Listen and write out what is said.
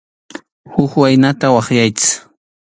Huk waynata waqyaychik.